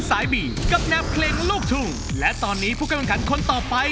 ไปปรับปรุงและแก้ไข